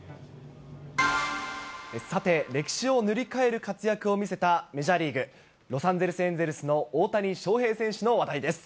さて、歴史を塗り替える活躍を見せた、メジャーリーグ・ロサンゼルスエンゼルスの大谷翔平選手の話題です。